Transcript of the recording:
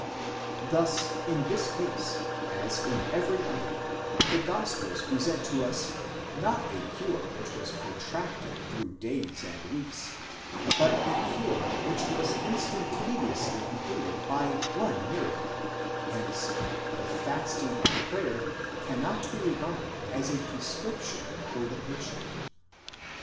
Thus in this case, as in every other, the gospels present to us, not a cure which was protracted through days and weeks, but a cure which was instantaneously completed by one miracle: hence the fasting and prayer cannot be regarded as a prescrip tion for the patient.